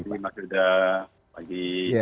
terima kasih sudah pagi